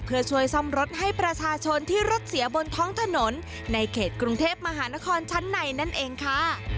เพื่อช่วยซ่อมรถให้ประชาชนที่รถเสียบนท้องถนนในเขตกรุงเทพมหานครชั้นในนั่นเองค่ะ